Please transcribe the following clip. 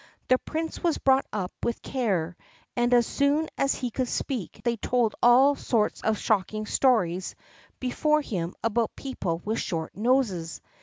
The Prince was brought up with care, and as soon as he could speak they told all sorts of shocking stories before him about people with short noses.